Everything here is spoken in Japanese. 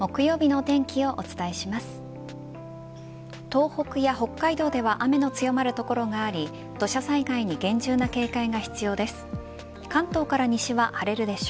東北や北海道では雨の強まる所があり土砂災害に厳重な警戒が必要です。